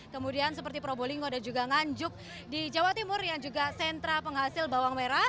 kemudian seperti probolinggo dan juga nganjuk di jawa timur yang juga sentra penghasil bawang merah